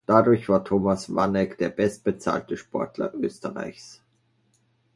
Dadurch war Thomas Vanek der bestbezahlte Sportler Österreichs.